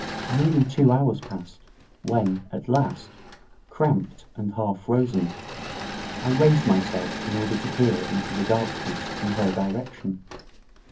Nearly two hours passed, when, at last, cramped and half frozen, I raised myself in order to peer into the darkness in her direction.